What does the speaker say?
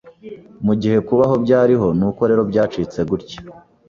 Mugihe kubaho byariho nuko rero byacitse gutya